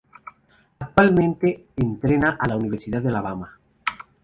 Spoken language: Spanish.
Actualmente entrena a la Universidad de Alabama.